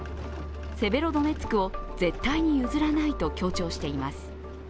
セベロドネツクを絶対に譲らないと強調しています。